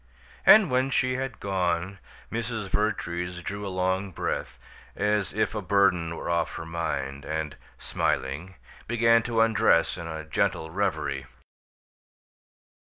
And when she had gone Mrs. Vertrees drew a long breath, as if a burden were off her mind, and, smiling, began to undress in a gentle reverie.